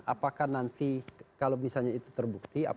apakah nanti kalau misalnya itu terbukti